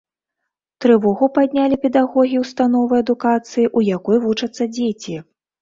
Трывогу паднялі педагогі ўстановы адукацыі, у якой вучацца дзеці.